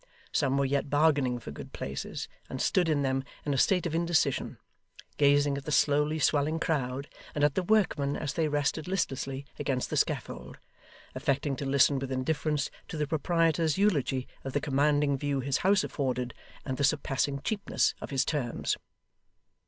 Some were yet bargaining for good places, and stood in them in a state of indecision: gazing at the slowly swelling crowd, and at the workmen as they rested listlessly against the scaffold affecting to listen with indifference to the proprietor's eulogy of the commanding view his house afforded, and the surpassing cheapness of his terms.